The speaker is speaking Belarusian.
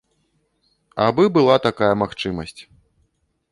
Абы была такая магчымасць.